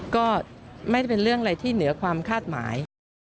ก็ไม่ได้เป็นเรื่องอะไรที่เหนือความคาดหมาย